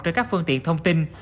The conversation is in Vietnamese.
cho các phương tiện thông tin